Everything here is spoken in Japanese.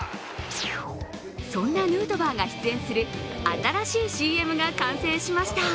そんなヌートバーが出演する新しいＣＭが完成しました。